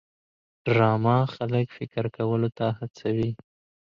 ډرامه خلک فکر کولو ته هڅوي